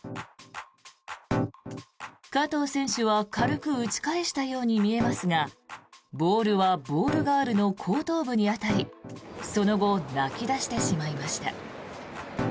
加藤選手は軽く打ち返したように見えますがボールはボールガールの後頭部に当たりその後泣き出してしまいました。